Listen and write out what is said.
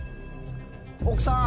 奥さん。